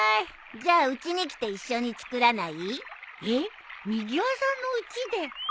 じゃあうちに来て一緒に作らない？えっみぎわさんのうちで？